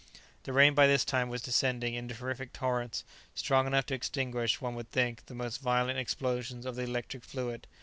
The rain by this time was descending in terrific torrents, strong enough to extinguish, one would think, the most violent explosions of the electric fluid.